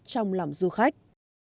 trong lòng du khách